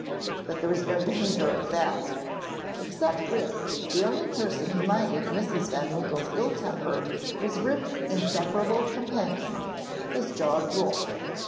But there was no danger of that. Except Rip, the only person who minded Mrs. van Winkle's ill temper was Rip's inseparable companion, his dog Wolf.